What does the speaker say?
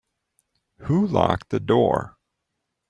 Who locked the door?